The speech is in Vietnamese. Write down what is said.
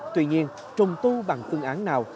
tuy nhiên trùng tù bằng phương án nào